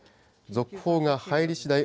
続報が入りしだい